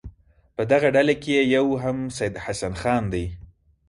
په دغه ډله کې یو هم سید حسن خان دی.